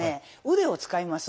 腕を使います。